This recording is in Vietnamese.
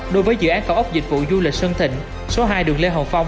đối với dự án cao ốc dịch vụ du lịch sơn thịnh số hai đường lê hồng phong